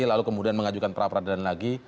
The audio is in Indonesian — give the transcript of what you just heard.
lalu kemudian mengajukan prapradilan lagi